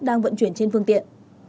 đang vận chuyển trên phương tiện